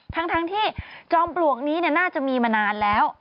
ทั้งที่จอมปลวกนี้น่าจะมีมานานแล้ว